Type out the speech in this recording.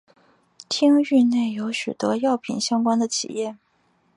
町域内有许多药品相关的企业。